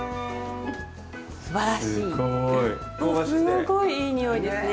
すごいいい匂いですね。